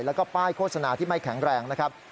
แล้วก็ป้ายโฆษณาที่ไม่แข็งแรงนะครับ